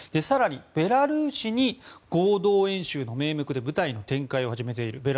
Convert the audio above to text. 更にベラルーシに合同演習の名目で部隊の展開を始めている。